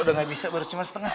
udah gak bisa baru cuma setengah